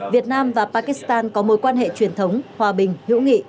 việt nam và pakistan có mối quan hệ truyền thống hòa bình hữu nghị